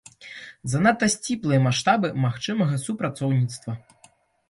Занадта сціплыя маштабы магчымага супрацоўніцтва.